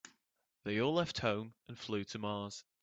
They all left home and flew to Mars.